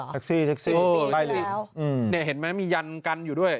แท็กซี่ไปแล้วนี่เห็นไหมมียันตร์กันอยู่ด้วย